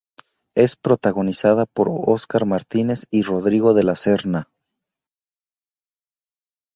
Es protagonizada por Oscar Martínez y Rodrigo De La Serna.